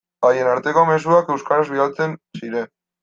Haien arteko mezuak euskaraz bidaltzen ziren.